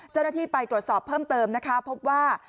เจ้าหน้าที่ไปตรวจสอบเพิ่มเติมนะคะพบว่า